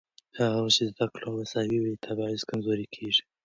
هغه وخت چې زده کړه مساوي وي، تبعیض کمزورې کېږي.